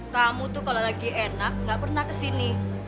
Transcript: kamu tuh kalau lagi enak gak pernah kesini